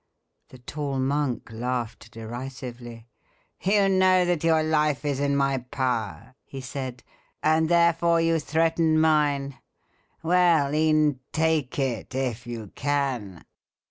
The tall monk laughed derisively. "You know that your life is in my power," he said, "and therefore you threaten mine. Well, e'en take it, if you can."